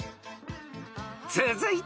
［続いては］